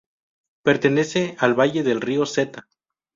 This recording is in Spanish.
Pertenece al valle del río Seta.